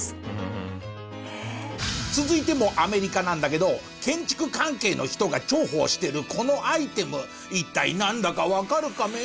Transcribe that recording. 続いてもアメリカなんだけど建築関係の人が重宝してるこのアイテム一体なんだかわかるカメ？